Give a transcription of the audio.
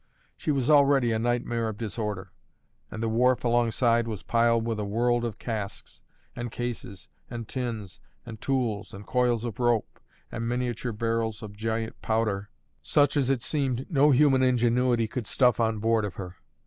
She was already a nightmare of disorder; and the wharf alongside was piled with a world of casks, and cases, and tins, and tools, and coils of rope, and miniature barrels of giant powder, such as it seemed no human ingenuity could stuff on board of her.